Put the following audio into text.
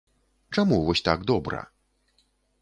Чаму вось так добра?